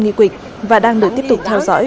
nghi quỷ và đang được tiếp tục theo dõi